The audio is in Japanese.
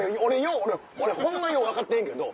俺ホンマよう分かってへんけど。